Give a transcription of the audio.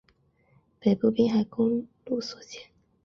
北部滨海公路所见